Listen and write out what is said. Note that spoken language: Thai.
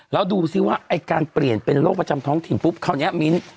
แล้วดูซิว่าไอการเปลี่ยนเป็นโรคประจำท้องถิ่นนั่นปุ๊บ